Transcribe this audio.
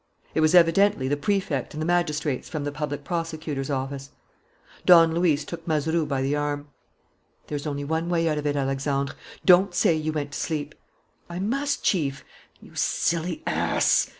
It was evidently the Prefect and the magistrates from the public prosecutor's office. Don Luis took Mazeroux by the arm. "There's only one way out of it, Alexandre! Don't say you went to sleep." "I must, Chief." "You silly ass!"